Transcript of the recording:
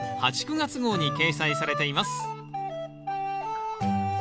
９月号に掲載されています